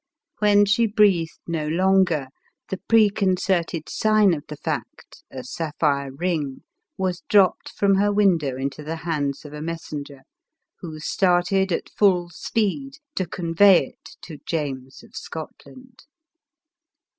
When she breathed no longer, the preconcerted sign of the fact — a sapphire ring, was dropped from her window into the hands of r, who started, at full speed, to convey it to Jamc.s of Scotland.